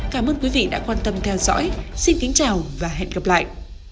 cảm ơn quý vị đã quan tâm theo dõi xin kính chào và hẹn gặp lại